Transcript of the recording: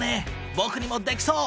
僕にもできそう！